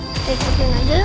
kita gabung aja yuk